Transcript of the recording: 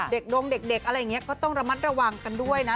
ดงเด็กอะไรอย่างนี้ก็ต้องระมัดระวังกันด้วยนะ